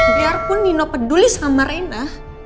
biarpun nino peduli sama rena